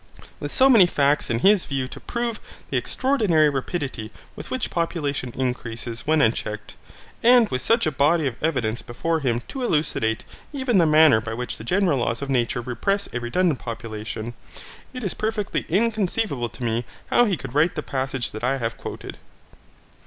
With so many facts in his view to prove the extraordinary rapidity with which population increases when unchecked, and with such a body of evidence before him to elucidate even the manner by which the general laws of nature repress a redundant population, it is perfectly inconceivable to me how he could write the passage that I have quoted.